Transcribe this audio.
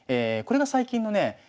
これが最近のね